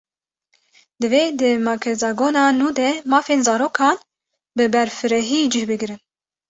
Divê di makezagona nû de mafên zarokan, bi berfirehî cih bigirin